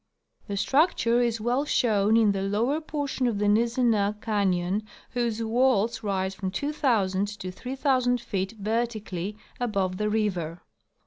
The structure is well shown in the lower portion of the Nizzenah canyon, whose walls rise from 2,000 to 3,000 feet vertically above the river.